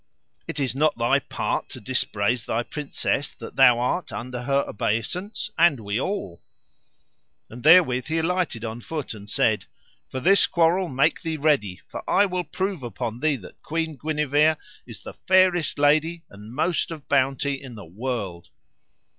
it is not thy part to dispraise thy princess that thou art under her obeissance, and we all. And therewith he alighted on foot, and said: For this quarrel, make thee ready, for I will prove upon thee that Queen Guenever is the fairest lady and most of bounty in the world.